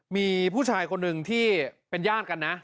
มีผู้ชายคนหนึ่งที่เป็นญาติกันนะ